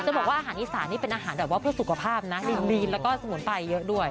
บอกว่าอาหารอีสานนี่เป็นอาหารแบบว่าเพื่อสุขภาพนะลีนแล้วก็สมุนไพรเยอะด้วย